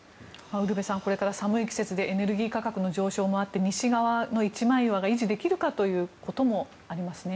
これから寒い季節でエネルギー価格の上昇もあって西側の一枚岩が維持できるかということもありますね。